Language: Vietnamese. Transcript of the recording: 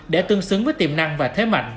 để tương xứng với tiềm năng và thế mạnh